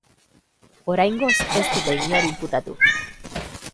Oraingoz ez dute inor inputatu.